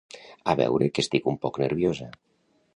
A veure que estic un poc nerviosa.